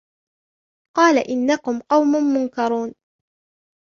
قَالَ إِنَّكُمْ قَوْمٌ مُنْكَرُونَ